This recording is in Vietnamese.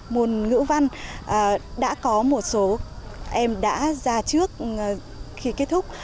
môn ngữ văn đã có một số em đã ra trước khi kết thúc